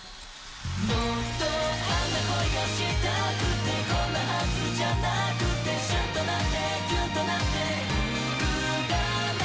「もっとあんな恋がしたくてこんなはずじゃなくて」「シュンとなってキュンとなって初心だね」